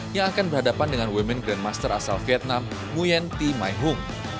yang akan berhadapan dengan women grandmaster asal vietnam nguyen thi mai hung